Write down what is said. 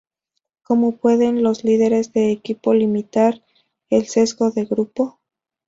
Como pueden los líderes de equipo limitar el Sesgo de Grupo?